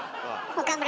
岡村